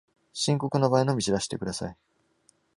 深刻な場合のみ知らせてください